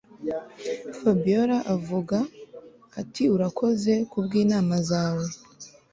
Fabiora avuga atiurakoze kubwinama zawe